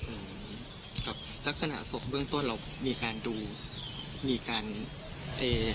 อืมครับลักษณะศพเบื้องต้นเรามีการดูมีการเอ